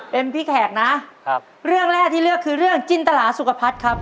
เป็นพี่แขกนะครับเรื่องแรกที่เลือกคือเรื่องจินตลาสุขพัฒน์ครับ